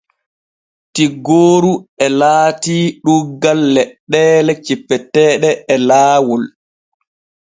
Tiggooru e laati ɗuuggal leɗɗeele cippeteeɗe e laawol.